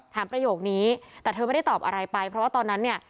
ประโยคนี้แต่เธอไม่ได้ตอบอะไรไปเพราะว่าตอนนั้นเนี่ย